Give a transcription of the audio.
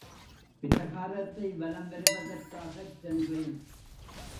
பிரகாரத்தை வலம் வருவதற்காகச் சென்றேன்.